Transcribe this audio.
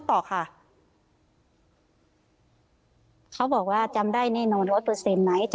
ถ้าพี่ถ้าพี่ถ้าพี่ถ้าพี่ถ้าพี่ถ้าพี่ถ้าพี่ถ้าพี่